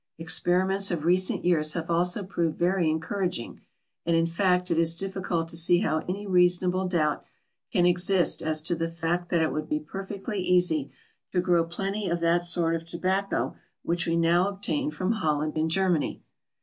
Experiments of recent years have also proved very encouraging, and in fact it is difficult to see how any reasonable doubt can exist as to the fact that it would be perfectly easy to grow plenty of that sort of tobacco which we now obtain from Holland and Germany.